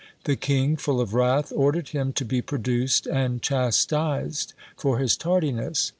The king, full of wrath, ordered him to be produced and chastised for his tardiness.